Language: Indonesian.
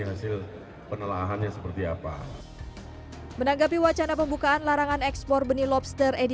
hasil penelahannya seperti apa menanggapi wacana pembukaan larangan ekspor benih lobster edi